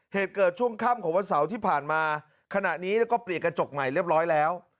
เหตุเกิดช่วงค่ำของวันเสาร์ที่ผ่านมาขณะนี้แล้วก็เปลี่ยนกระจกใหม่เรียบร้อยแล้ว